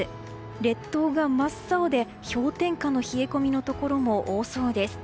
列島が真っ青で、氷点下の冷え込みのところも多そうです。